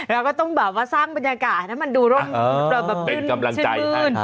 เราก็ต้องแบบว่าสร้างบรรยากาศให้มันดูร่มเป็นกำลังใจให้